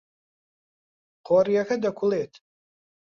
قۆریەکە دەکوڵێت.